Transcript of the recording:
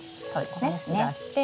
ここですね。